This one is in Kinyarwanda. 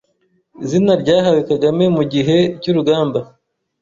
Izina ryahawe Kagame mu gihe cy'urugamba